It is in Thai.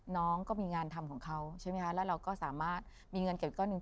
น้องก็มีงานทำของเขาใช่ไหมคะแล้วเราก็สามารถมีเงินเก็บก้อนหนึ่ง